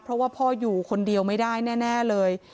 เพราะว่าพ่ออยู่คนเดียวไม่ได้แน่เลย